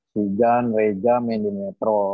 hujan reja main di metro